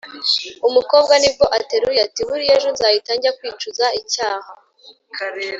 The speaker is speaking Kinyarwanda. umukobwa nibwo ateruye, ati "buriya ejo nzahita njya kwicuza icyaha